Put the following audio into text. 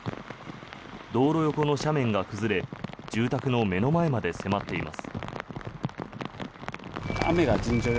道路横の斜面が崩れ住宅の目の前まで迫っています。